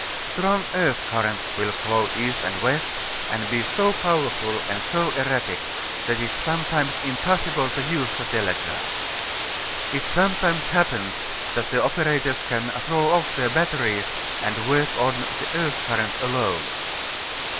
Strong earth currents will flow east and west, and be so powerful and so erratic that it is sometimes impossible to use the telegraph. It sometimes happens that the operators can throw off their batteries and work on the earth current alone.